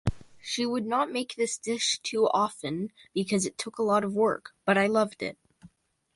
She would not make this dish too often because it took a lot of work, but I loved it.